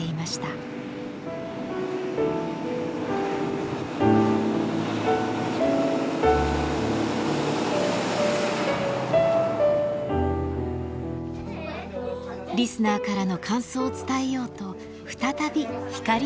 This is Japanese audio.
リスナーからの感想を伝えようと再びひかりの学校へ。